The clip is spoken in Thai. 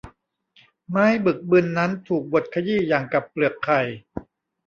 ไม้บึกบึนนั้นถูกบดขยี้อย่างกับเปลือกไข่